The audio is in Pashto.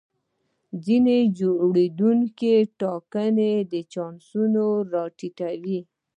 ځینې جوړښتونه ټاکنې په چانسونو را ټیټوي.